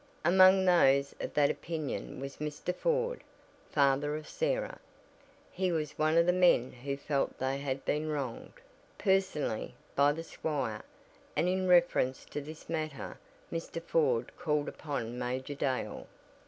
Among those of that opinion was Mr. Ford, father of Sarah. He was one of the men who felt they had been wronged, personally, by the squire, and in reference to this matter Mr. Ford called upon Major Dale.